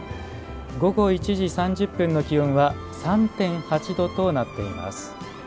午後１時３０分の気温は３．８度となっています。